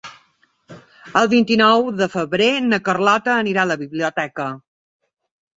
El vint-i-nou de febrer na Carlota irà a la biblioteca.